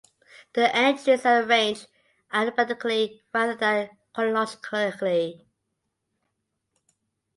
The entries are arranged alphabetically rather than chronologically.